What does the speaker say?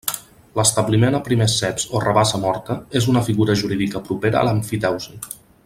L'establiment a primers ceps o rabassa morta és una figura jurídica propera a l'emfiteusi.